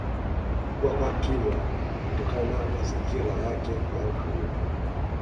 Kukua kwa Kilwa kulitokana na mazingira yake ya utulivu